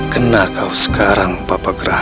kena kau sekarang bapak gerah